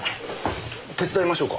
手伝いましょうか？